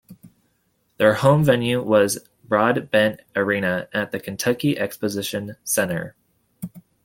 Their home venue was Broadbent Arena at the Kentucky Exposition Center.